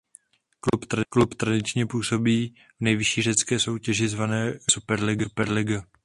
Klub tradičně působí v nejvyšší řecké soutěži zvané Řecká Superliga.